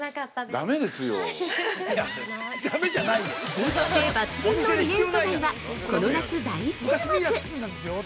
◆通気性抜群のリネン素材はこの夏、大注目。